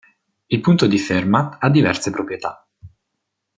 Il punto di Fermat ha diverse proprietà.